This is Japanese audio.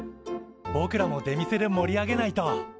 ぼくらも出店で盛り上げないと。